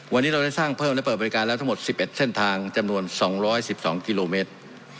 วันนี้เราได้สร้างเพิ่มและเปิดบริการแล้วทั้งหมด๑๑เส้นทางจำนวน๒๑๒กิโลเมตร